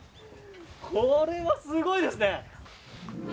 これはすごいですね。